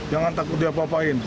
jangan takut diapa apain